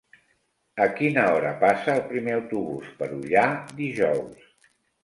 A quina hora passa el primer autobús per Ullà dijous?